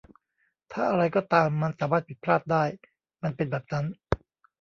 ถ้าอะไรก็ตามมันสามารถผิดพลาดได้ มันเป็นแบบนั้น